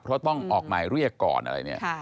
เพราะต้องออกหมายเรียกก่อนอะไรเนี่ย